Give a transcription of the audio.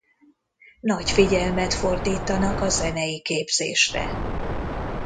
Nagy figyelmet fordítanak a zenei képzésre.